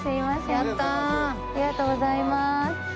ありがとうございます。